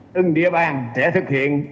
từng địa bàn sẽ thực hiện